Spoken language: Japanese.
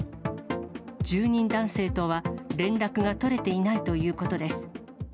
住人男性とは連絡が取れていないということです。